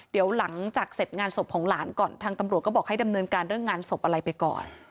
เดี๋ยวหลังจากเสร็จงานศพของหลานก่อนทางตำรวจก็บอกให้ดำเนินการเรื่องงานศพอะไรไปก่อน